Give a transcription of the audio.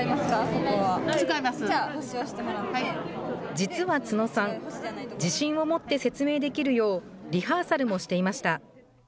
実は津野さん、自信を持って説明できるよう、リハーサルもしていました。